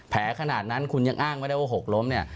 ขนาดนั้นคุณยังอ้างไม่ได้ว่าหกล้มเนี่ย